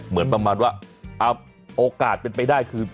เหมือนประมาณว่าโอกาสเป็นไปได้คือ